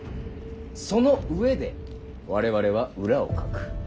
その上で我々は裏をかく。